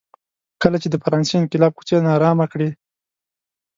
کله چې د فرانسې انقلاب کوڅې نا ارامه کړې.